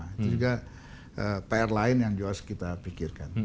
itu juga pr lain yang juga harus kita pikirkan